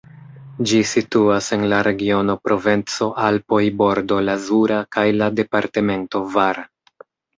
Ĝi situas en la regiono Provenco-Alpoj-Bordo Lazura kaj la departemento Var.